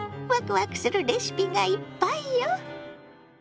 わくわくするレシピがいっぱいよ。